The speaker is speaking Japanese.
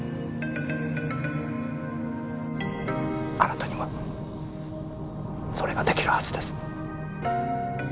あなたにはそれが出来るはずです。